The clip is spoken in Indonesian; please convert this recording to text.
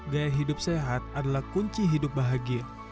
gaya hidup sehat adalah kunci hidup bahagia